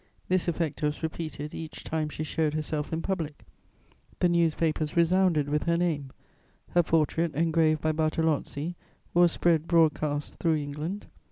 This effect was repeated each time she showed herself in public; the newspapers resounded with her name; her portrait, engraved by Bartolozzi, was spread broadcast through England.